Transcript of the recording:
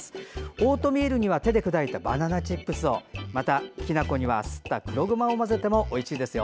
オートミールには手で砕いたバナナチップスをまた、きな粉にはすった黒ごまを混ぜてもおいしいですよ。